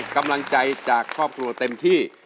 กำลังใจจากครอบครัวเต็มที่